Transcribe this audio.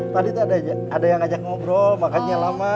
tadi tuh ada yang ngajak ngobrol makannya lama